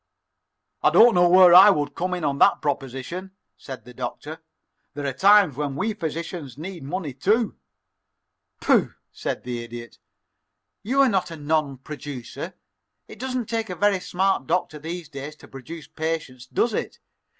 "I don't know where I would come in on that proposition," said the Doctor. "There are times when we physicians need money, too." "Pooh!" said the Idiot. "You are not a non producer. It doesn't take a very smart doctor these days to produce patients, does it?